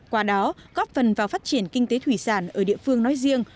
qua đó góp phần vào phát triển kinh tế thủy sản ở địa phương nói riêng